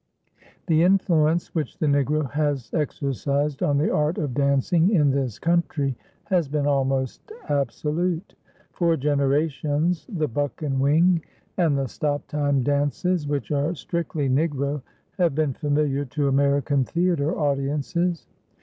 The influence which the Negro has exercised on the art of dancing in this country has been almost absolute. For generations the "buck and wing" and the "stop time" dances, which are strictly Negro, have been familiar to American theatre audiences.